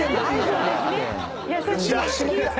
優しい。